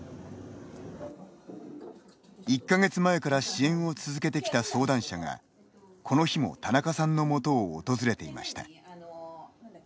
１か月前から支援を続けてきた相談者が、この日も田中さんの元を訪れていました。